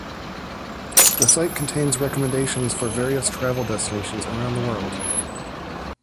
The site contains recommendations for various travel destinations around the world.